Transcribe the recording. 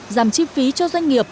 giảm chi phí cho doanh nghiệp